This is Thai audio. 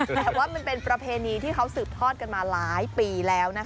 แต่ว่ามันเป็นประเพณีที่เขาสืบทอดกันมาหลายปีแล้วนะคะ